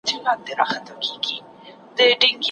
سالم ذهن باور نه دروي.